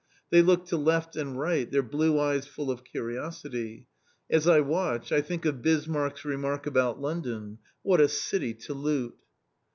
They look to left and right, their blue eyes full of curiosity. As I watch, I think of Bismarck's remark about London: "_What a city to loot!